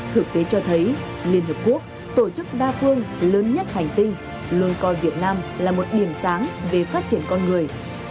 thực tế cho thấy liên hợp quốc tổ chức đa phương lớn nhất hành tinh luôn coi việt nam là một điểm sáng về phát triển con người